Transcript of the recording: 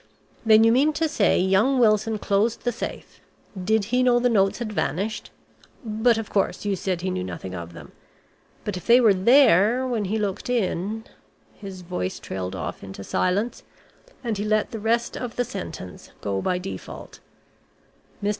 Then you mean to say young Wilson closed the safe. Did he know the notes had vanished? But of course you said he knew nothing of them. But if they were there when he looked in " His voice trailed off into silence, and he let the rest of the sentence go by default. Mr.